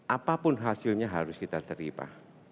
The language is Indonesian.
apapun hasilnya harus kita terima